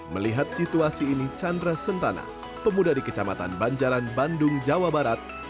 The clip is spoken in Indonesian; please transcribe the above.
melihat situasi ini chandra sentana pemuda di kecamatan banjaran bandung jawa barat